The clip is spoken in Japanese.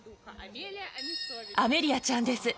アメリアちゃんです。